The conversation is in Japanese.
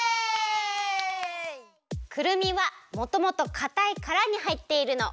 くるみはもともとかたいカラにはいっているの！